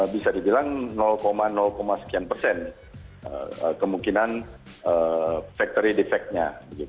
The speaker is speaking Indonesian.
bisa dibilang sekian persen kemungkinan factory defect nya